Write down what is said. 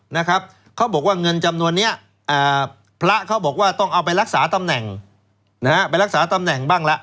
นี่เค้าบอกว่าเงินจะต้องเอาไปรักษาตำแหน่ง